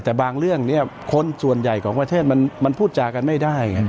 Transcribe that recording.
แต่บางเรื่องเนี่ยคนส่วนใหญ่ของประเทศมันพูดจากันไม่ได้